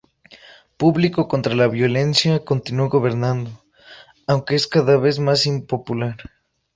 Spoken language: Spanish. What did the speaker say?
Público Contra la Violencia continuó gobernando, aunque es cada vez más impopular.